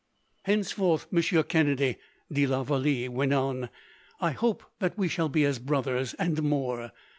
"Henceforth, Monsieur Kennedy," de la Vallee went on, "I hope that we shall be as brothers, and more.